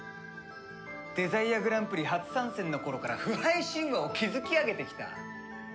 デザイアグランプリ初参戦の頃から不敗神話を築き上げてきた。